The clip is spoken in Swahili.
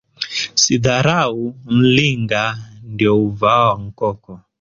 Sidharau nnlinga ndio uuvao nkoko